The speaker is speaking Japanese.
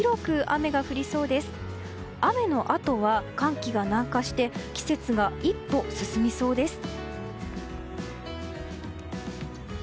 雨のあとは寒気が南下して季節が一歩進みそうです。